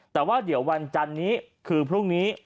แต่ว่าเดี๋ยววันจันนี้คือพรุ่งนี้